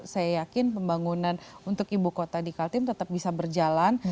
saya yakin pembangunan untuk ibu kota di kaltim tetap bisa berjalan